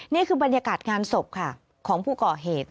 นี่คือบรรยากาศงานศพค่ะของผู้ก่อเหตุ